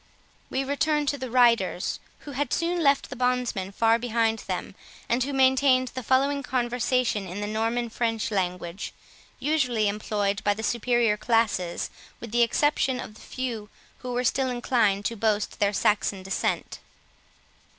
We return to the riders, who had soon left the bondsmen far behind them, and who maintained the following conversation in the Norman French language, usually employed by the superior classes, with the exception of the few who were still inclined to boast their Saxon descent.